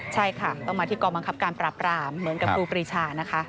ใช่ค่ะต้องมาที่กองบังคับการปราบรามเหมือนกับครูปรีชานะคะ